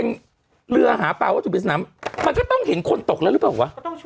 เต้งเรือหาปลาว่าจะปิดน้ำมันก็ต้องเห็นคนตกแล้วหรือเปล่าหรือเปล่าว่ะ